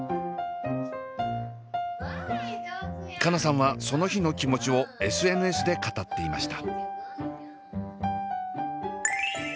佳奈さんはその日の気持ちをＳＮＳで語っていました。